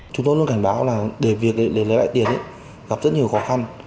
chúng tôi luôn cảnh báo là để việc để lấy lại tiền gặp rất nhiều khó khăn